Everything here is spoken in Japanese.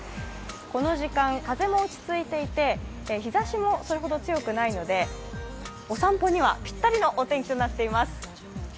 この時間、風も落ち着いていて、日ざしもそれほど強くないのでお散歩にはぴったりのお天気となっています。